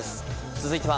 続いては。